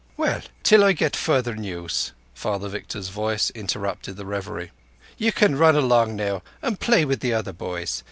"Well, till I get further news"—Father Victor's voice interrupted the reverie. "Ye can run along now and play with the other boys.